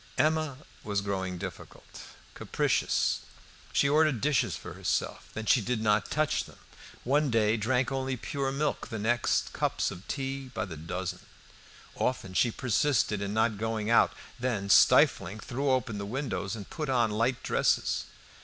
Emma was growing difficult, capricious. She ordered dishes for herself, then she did not touch them; one day drank only pure milk, the next cups of tea by the dozen. Often she persisted in not going out, then, stifling, threw open the windows and put on light dresses.